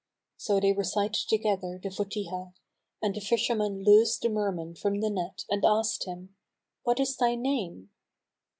So they recited together the Fбtihah, and the fisherman loosed the Merman from the net and asked him, "What is thy name?"